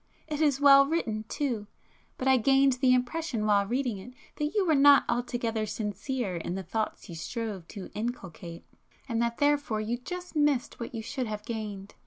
It is well written too; but I gained the impression while reading it, that you were not altogether sincere yourself in the thoughts you strove to inculcate,—and that therefore you just missed what you should have gained."